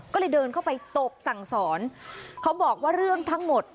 ก็เลยเดินเข้าไปตบสั่งสอนเขาบอกว่าเรื่องทั้งหมด